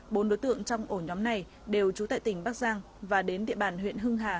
bốn đối tượng trong ổ nhóm này đều trú tại tỉnh bắc giang và đến địa bàn huyện hưng hà